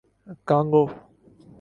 Congo